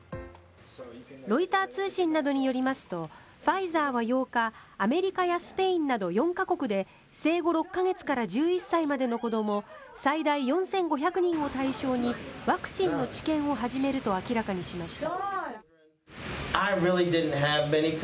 ロイター通信などによりますとファイザーは８日アメリカやスペインなど４か国で生後６か月から１１歳までの子ども最大４５００人を対象にワクチンの治験を始めると明らかにしました。